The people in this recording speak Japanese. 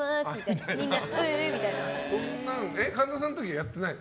神田さんの時はやってないの？